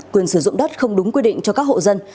quyền sử dụng đất không đúng quy định cho các hộ dân